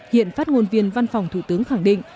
hiện phát ngôn viên văn phòng thủ tướng khẳng định